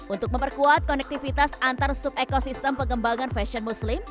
untuk memperkuat konektivitas antar sub ekosistem pengembangan fashion muslim